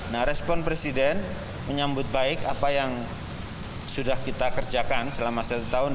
nah respon presiden menyambut baik apa yang sudah kita kerjakan selama satu tahun